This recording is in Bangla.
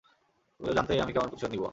তুমি তো জানতেই আমি কেমন প্রতিশোধ নিব।